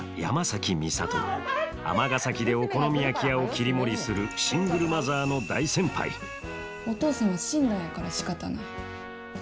尼崎でお好み焼き屋を切り盛りするシングルマザーの大先輩お父さんは死んだんやからしかたない。